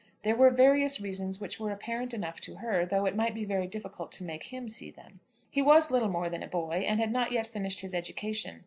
There were various reasons which were apparent enough to her though it might be very difficult to make him see them. He was little more than a boy, and had not yet finished his education.